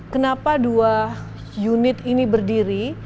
kenapa dua unit ini berdiri